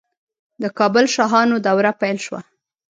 د کابل شاهانو دوره پیل شوه